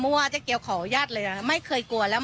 มั่วจะเกี่ยวขอยาธิ์เลยไม่เคยกลัวแล้ว